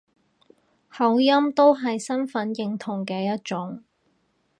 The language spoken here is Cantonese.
口音都係身份認同嘅一種